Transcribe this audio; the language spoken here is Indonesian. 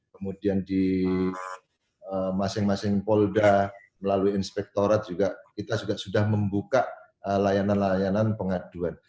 kemudian di masing masing polda melalui inspektorat juga kita sudah membuka layanan layanan pengaduan